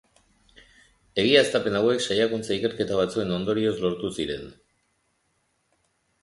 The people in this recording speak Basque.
Egiaztapen hauek, saiakuntza-ikerketa batzuen ondorioz lortu ziren.